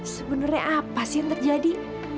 sebenarnya apa sih yang terjadi